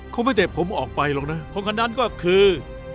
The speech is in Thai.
เขาไม่เต็บผมออกไปหรอกนะคนที่นั่นก็คือ